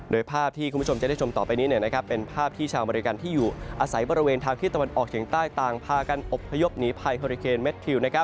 โดยภาพที่คุณผู้ชมจะได้ชมต่อไปนี้เป็นภาพที่ชาวอเมริกันที่อยู่อาศัยบริเวณทางที่ตะวันออกเฉียงใต้ต่างพากันอบพยพหนีภัยเฮอริเคนแมททิว